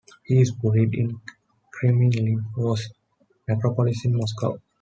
He is buried in the Kremlin Wall Necropolis, in Moscow.